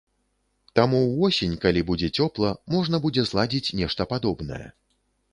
Таму ўвосень, калі будзе цёпла, можна будзе зладзіць нешта падобнае.